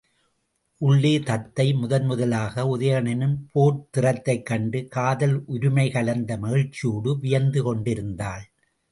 உள்ளே தத்தை முதன் முதலாக உதயணனின் போர்த்திறத்தைக் கண்டு காதல் உரிமை கலந்த மகிழ்ச்சியோடு வியந்து கொண்டிருந்தாள்.